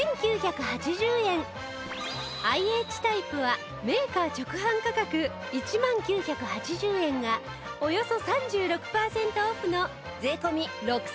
ＩＨ タイプはメーカー直販価格１万９８０円がおよそ３６パーセントオフの税込６９８０円に